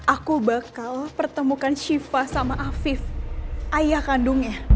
aku bakal pertemukan shiva sama afif ayah kandungnya